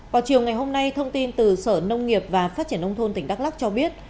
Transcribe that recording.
vào chiều ngày hôm nay thông tin từ sở nông nghiệp và phát triển nông thôn tỉnh đắk lắc cho biết